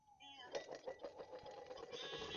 acha unga kwenye sehemu yenye joto kwa saa moja